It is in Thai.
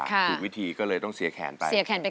ถูกวิธีก็เลยต้องเสียแขนไป